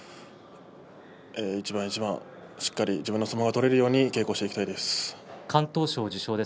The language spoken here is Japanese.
一番一番しっかり自分の相撲が取れるように稽古していきたいと思います。